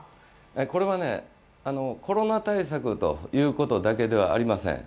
これはコロナ対策ということだけではありません。